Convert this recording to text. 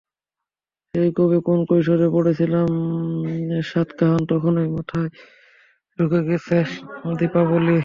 সেই কবে কোন কৈশোরে পড়েছিলাম সাতকাহন, তখনই মাথায় ঢুতে গেছে দীপাবলি।